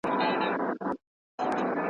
که تدریس په زړه پورې وي نو پوهنه نه هیریږي.